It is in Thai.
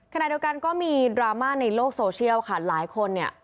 ขณะเดียวกันก็มีดราม่าในโลกโซเชียลค่ะหลายคนเนี่ย